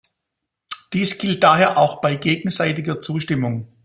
Dies gilt daher auch bei gegenseitiger Zustimmung.